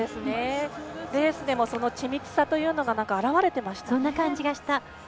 レースでも、その緻密さが表れていましたね。